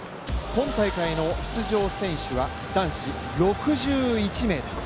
今大会の出場選手は男子６１名です。